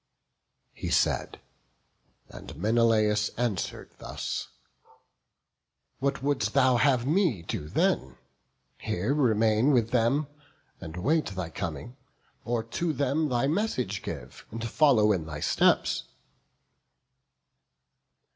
He said: and Menelaus answer'd thus: "What wouldst thou have me do then? here remain With them, and wait thy coming, or to them Thy message give, and follow in thy steps?"